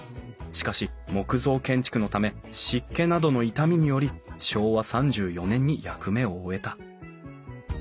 しかし木造建築のため湿気などの傷みにより昭和３４年に役目を終えた。